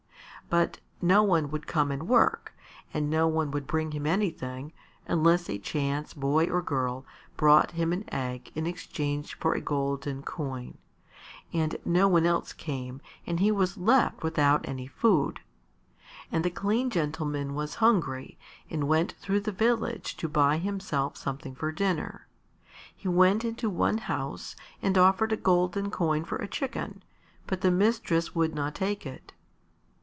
But no one would come and work, and no one would bring him anything, unless a chance boy or girl brought him an egg in exchange for a golden coin; and no one else came and he was left without any food. And the clean gentleman was hungry and went through the village to buy himself something for dinner. He went into one house and offered a golden coin for a chicken, but the mistress would not take it.